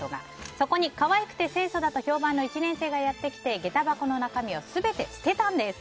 そこに可愛くて清楚だと評判の１年生がやってきて下駄箱の中身を全て捨てたんです。